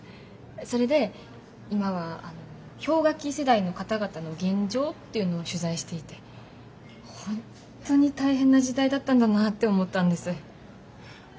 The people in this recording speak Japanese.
それで今は氷河期世代の方々の現状っていうのを取材していてホントに大変な時代だったんだなって思ったんです。